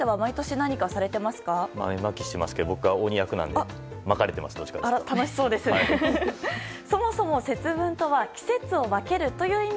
豆まきしてますが僕は鬼役なのでまかれてます、どちらかというと。